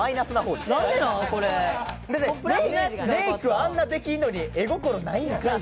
メイクあんなできるのに絵心ないんかい！